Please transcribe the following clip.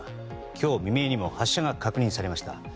今日未明にも発射が確認されました。